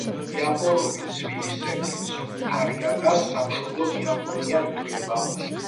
იაპონური ცვილისებრი ცრუფარიანას სამშობლოდ იაპონია ითვლება.